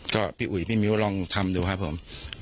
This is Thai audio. ก็พี่อุ๋ยพี่มิ้วลองทำดูครับผม